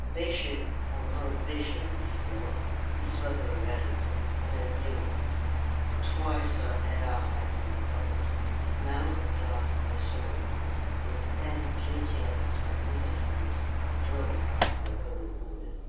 Vision or no vision before, this was the reality, and I knew it. Twice her hair had been covered, now at last I saw it, and the added beauty of its magnificence glorified the whole woman.